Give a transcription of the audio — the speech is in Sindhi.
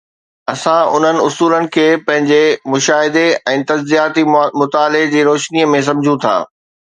اسان انهن اصولن کي پنهنجي مشاهدي ۽ تجزياتي مطالعي جي روشنيءَ ۾ سمجهون ٿا